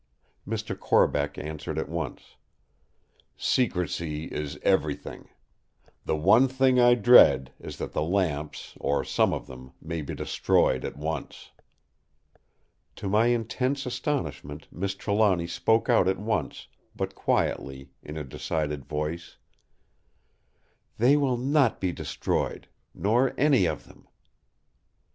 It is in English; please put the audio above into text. Mr. Corbeck answered at once: "Secrecy is everything. The one thing I dread is that the lamps, or some of them, may be destroyed at once." To my intense astonishment Miss Trelawny spoke out at once, but quietly, in a decided voice: "They will not be destroyed; nor any of them!"